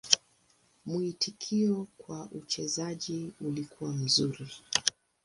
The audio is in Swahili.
Mwitikio kwa uchezaji ulikuwa mzuri.